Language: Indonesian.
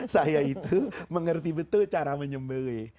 saya itu mengerti betul cara menyembelih